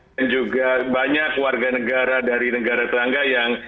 dan juga banyak warga negara dari negara tetangga